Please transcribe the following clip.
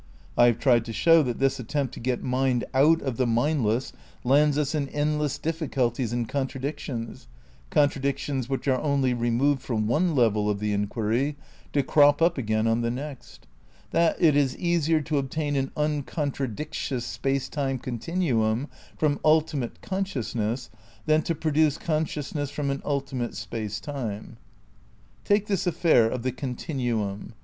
I have tried to show that this attempt to get mind out of the mindless lands us in endless difficulties and contradictions, contradic tions which are only removed from one level of the enquiry to crop up again on the next ; that it is easier to obtain an uncontradictious space time continuum from ultimate consciousness than to produce conscious ness from an ultimate space time. Take this affair of the continuum.